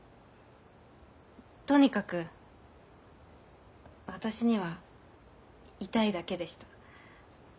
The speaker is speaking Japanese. とにかく私には痛いだけでした。